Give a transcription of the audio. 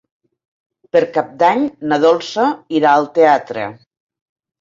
Per Cap d'Any na Dolça irà al teatre.